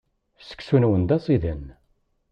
Seksu-nwen d aẓidan.